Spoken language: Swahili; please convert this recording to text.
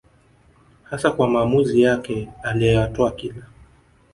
hasa kwa maamuzi yake aliyoyatoa kila